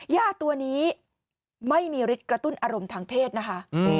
ย่าตัวนี้ไม่มีฤทธิ์กระตุ้นอารมณ์ทางเพศนะคะ